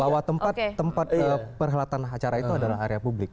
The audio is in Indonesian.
bahwa tempat perhelatan acara itu adalah area publik